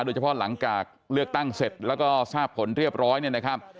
โดยเฉพาะหลังจากเลือกตั้งเสร็จแล้วก็ทราบผลเรียบร้อยเนี่ยนะครับ